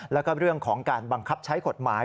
แล้วก็เรื่องของการบังคับใช้กฎหมาย